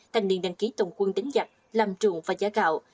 thành niên đăng ký tổng quân đánh giặc làm trụ và giá gạo